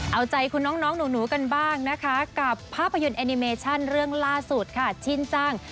เอาใจคุณน้องหนูกันบ้างนะคะกับภาพยนตร์แอนิเมชั่นเรื่องล่าสุดค่ะชินจัง